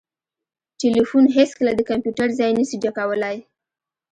ټلیفون هیڅکله د کمپیوټر ځای نسي ډکولای